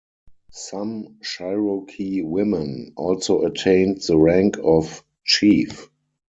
Some Cherokee women also attained the rank of chief.